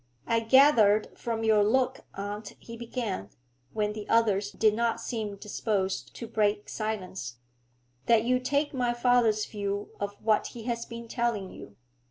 'I gather from your look, aunt,' he began, when the others did not seem disposed to break silence, 'that you take my father's view of what he has been telling you.'